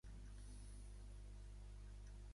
Una mica gelosa, sí, així em sentia.